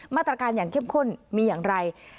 มาตรการอย่างเข้มข้นมีอย่างไร